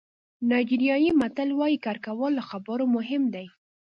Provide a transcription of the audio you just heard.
نایجیریايي متل وایي کار کول له خبرو مهم دي.